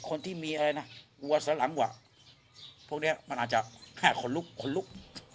คนที่มีอัวสรรค์กว่าพวกเนี้ยมันอาจจะแค่คนลุกคนลุก